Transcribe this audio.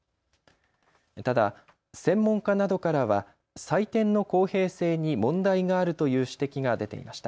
ただ専門家などからは採点の公平性に問題があるという指摘が出ていました。